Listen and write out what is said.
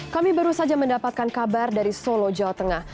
kami baru saja mendapatkan kabar dari solo jawa tengah